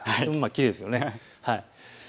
きれいですよね。